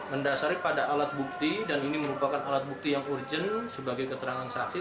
mendasari pada alat bukti dan ini merupakan alat bukti yang urgent sebagai keterangan saksi